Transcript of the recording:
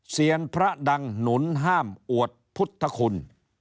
เสียงพระดังหนุนห้ามอวดพุทธคุณ